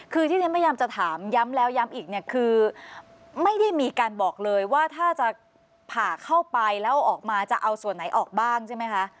คือที่เรียนพยายามจะถามย้ำแล้วย้ำอีกเนี่ยคือไม่ได้มีการบอกเลยว่าถ้าจะผ่าเข้าไปแล้วออกมาจะเอาส่วนไหนออกบ้างใช่ไหมคะ